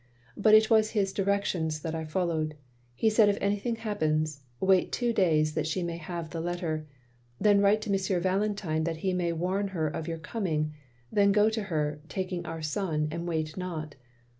"But it was his directions that I followed. He said, if anything happens, wait two days, that she may have the letter. Then write to M. Valentine that he may warn her of your coming; then go to her, taking our son, and wait not.